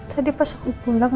tadi pas aku pulang